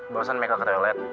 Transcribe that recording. barusan mereka kerelet